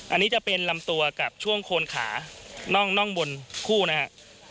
อันนี้จะเป็นลำตัวกับช่วงโคนขาน่องบนคู่นะครับ